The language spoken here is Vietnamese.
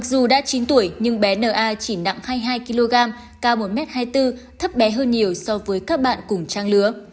dù đã chín tuổi nhưng bé na chỉ nặng hai mươi hai kg cao một m hai mươi bốn thấp bé hơn nhiều so với các bạn cùng trang lứa